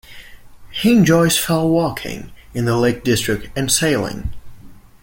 He enjoys fell walking in the Lake District and sailing.